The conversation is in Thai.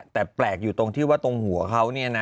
แต่แปลกอยู่ตรงที่ว่าตรงหัวเขาเนี่ยนะ